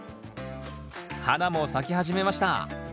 花も咲き始めました。